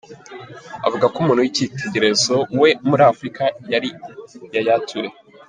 Avuga ko umuntu w'icyitegererezo we muri Africa ari Yaya Toure.